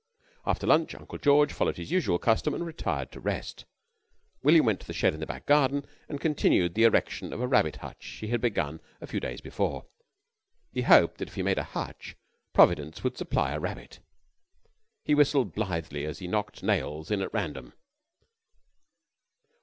After lunch Uncle George followed his usual custom and retired to rest. William went to the shed in the back garden and continued the erection of a rabbit hutch that he had begun a few days before. He hoped that if he made a hutch, Providence would supply a rabbit. He whistled blithely as he knocked nails in at random.